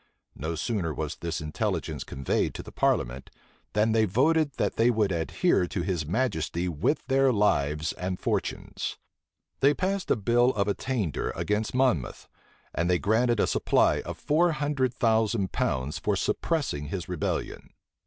No sooner was this intelligence conveyed to the parliament, than they voted that they would adhere to his majesty with their lives and fortunes. They passed a bill of attainder against Monmouth; and they granted a supply of four hundred thousand pounds for suppressing his rebellion.